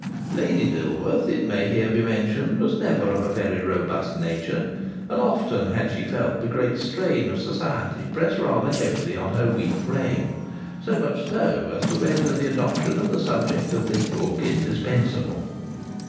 Lady Dilworth, it may here be mentioned, was never of a very robust nature, and often had she felt the great strain of society press rather heavily on her weak frame, so much so, as to render the adoption of the subject of this book indispensable.